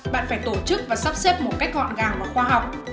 bạn phải tổ chức và sắp xếp một cách gọn gàng và khoa học